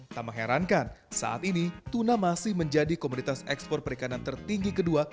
tak mengherankan saat ini tuna masih menjadi komunitas ekspor perikanan tertinggi kedua